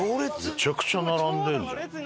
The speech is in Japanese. めちゃくちゃ並んでるじゃん。